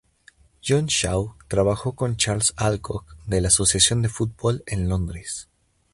John Shaw trabajó con Charles Alcock de la Asociación de Fútbol en Londres.